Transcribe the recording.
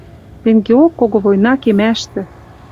Тенгеок кого война кемӓштӹ